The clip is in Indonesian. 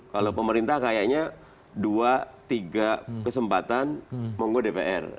kalau pemerintah kayaknya dua tiga kesempatan monggo dpr